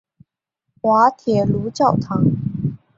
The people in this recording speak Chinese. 滑铁卢教堂。